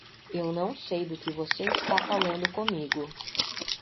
Eu não sei do que você está falando comigo.